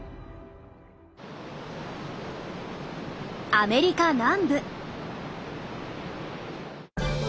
アメリカ南部。